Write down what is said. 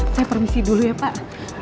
saya permisi dulu ya pak